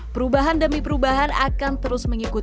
perubahan demi perubahan akan terus mengikuti